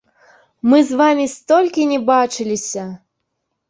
Мы з вамі столькі не бачыліся!